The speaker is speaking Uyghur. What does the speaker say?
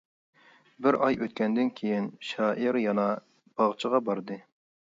بىر ئاي ئۆتكەندىن كېيىن شائىر يەنە باغچىغا باردى.